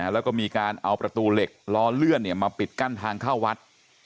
แล้วก็มีการเอาประตูเหล็กล้อเลื่อนมาปิดกั้นทางเข้าวัด